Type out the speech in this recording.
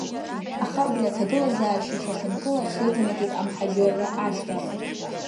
Аха абри аҭагылазаашьа шьаҭанкыла аҽеиҭанакит амҳаџьырра ашьҭахь.